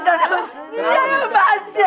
udah udah udah udah udah udah udah pada